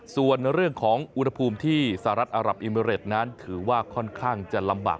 ส่วนเรื่องของอุณหภูมิที่สหรัฐอารับอิเมริตนั้นถือว่าค่อนข้างจะลำบาก